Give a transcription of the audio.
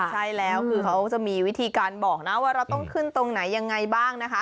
ใช่แล้วคือเขาจะมีวิธีการบอกนะว่าเราต้องขึ้นตรงไหนยังไงบ้างนะคะ